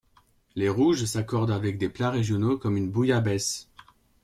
Les rouges s'accordent avec des plats régionaux comme une bouillabaisse.